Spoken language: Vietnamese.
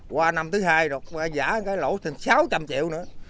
qua năm thứ hai giả cái lỗ thành sáu trăm linh triệu nữa